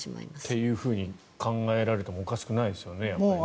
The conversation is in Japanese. というふうに考えられてもおかしくないですよね。